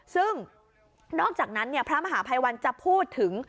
ซึ่งนอกจากนั้นพระมหาภัยวันจะพูดถึง